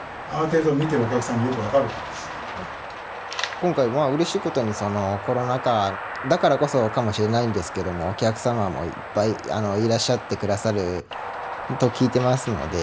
今回まあうれしいことにそのコロナ禍だからこそかもしれないんですけれどもお客様もいっぱいいらっしゃってくださると聞いてますので。